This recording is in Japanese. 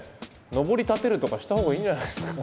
のぼり立てるとかしたほうがいいんじゃないですか。